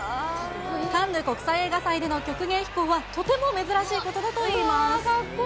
カンヌ国際映画祭での曲芸飛行はとても珍しいことだといいます。